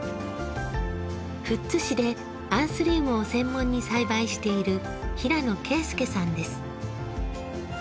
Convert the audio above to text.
富津市でアンスリウムを専門に栽培している平野圭祐さんです。